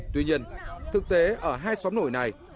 tuy nhiên thực tế ở hai xóm nổi này